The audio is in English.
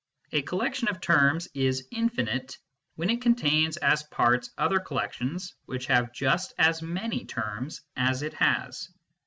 A collection of terms is infinite when it contains as parts other collections which have just as many terms as it has.